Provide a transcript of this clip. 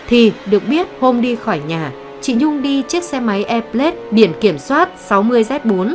thì được biết hôm đi khỏi nhà chị nhung đi chiếc xe máy e plate biển kiểm soát sáu mươi z bốn năm nghìn ba trăm năm mươi năm